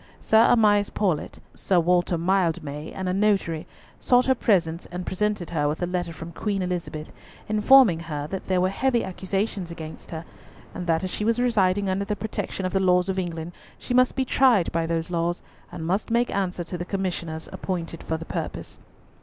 Sir Amias Paulett, Sir Walter Mildmay, and a notary, sought her presence and presented her with a letter from Queen Elizabeth, informing her that there were heavy accusations against her, and that as she was residing under the protection of the laws of England, she must be tried by those laws, and must make answer to the commissioners appointed for the purpose.